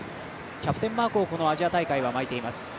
キャプテンマークをアジア大会は巻いています。